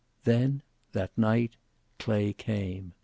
Then, that night, Clay came.